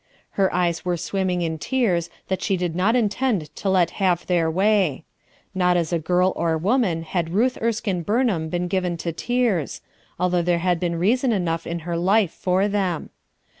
Her eyes were swimming in tears that she did not intend to let have their way. Not as girl or woman had Ruth Erskine Burnham been given to tears, although there had been reason enough in her life for them.